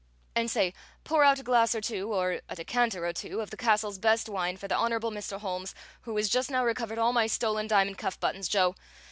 "And say, pour out a glass or two, or a decanter or two, of the castle's best wine for the Honorable Mr. Holmes, who has just now recovered all my stolen diamond cuff buttons, Joe.